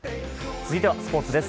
続いてはスポーツです。